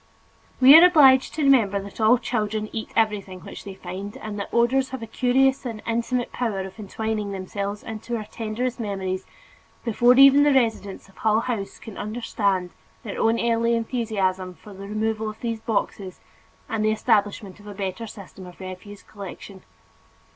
We are obliged to remember that all children eat everything which they find and that odors have a curious and intimate power of entwining themselves into our tenderest memories, before even the residents of Hull House can understand their own early enthusiasm for the removal of these boxes and the establishment of a better system of refuse collection.